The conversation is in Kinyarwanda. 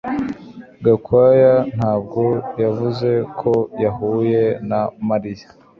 Gakwaya ntabwo yavuze ko yahuye na Mariya